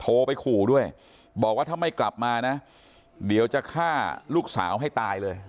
โทรไปขู่ด้วยบอกว่าถ้าไม่กลับมานะเดี๋ยวจะฆ่าลูกสาวให้ตายเลย